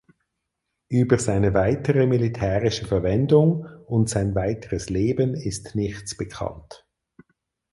Über seine weitere militärische Verwendung und sein weiteres Leben ist nichts bekannt.